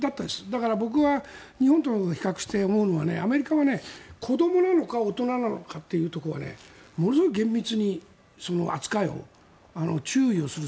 だから僕は日本と比較して思うのはアメリカは子どもなのか大人なのかというところがものすごく厳密に扱いを注意をする。